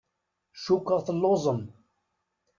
Cukkeɣ telluẓem.